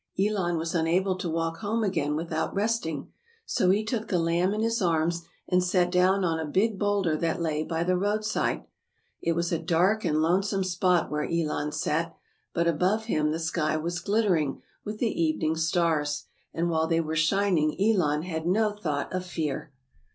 Elon was unable to walk home again with out resting. So he took the lamb in his arms and sat down on a big bowlder that lay by the roadside. It was a dark and lonesome spot where Elon sat, but above him the sky was glitter ing with the evening stars, and while they were shining Elon had no thought of fear.